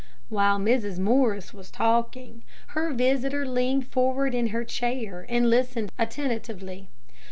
While Mrs. Morris was talking, her visitor leaned forward in her chair, and listened attentively.